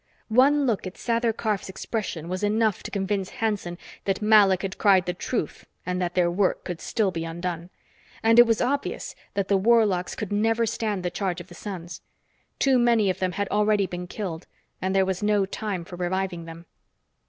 One look at Sather Karf's expression was enough to convince Hanson that Malok had cried the truth and that their work could still be undone. And it was obvious that the warlocks could never stand the charge of the Sons. Too many of them had already been killed, and there was no time for reviving them.